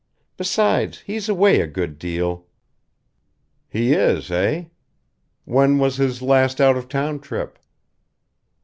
Besides, he's away a good deal." "He is, eh? When was his last out of town trip?"